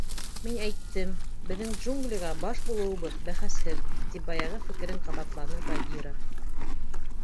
— Мин әйттем: беҙҙең джунглиға баш булыуыбыҙ — бәхәсһеҙ, — тип баяғы фекерен ҡабатланы Багира.